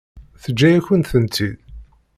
Teǧǧa-yakent-tent-id?